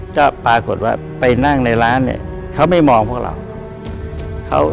ก็ปรากฏว่าไปนั่งในร้านเนี่ยเขาไม่มองพวกเรา